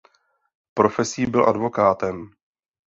Profesí byl advokátem.